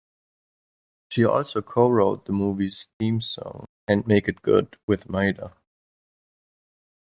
She also co-wrote the movie's theme song, "Can't Make it Good", with Maida.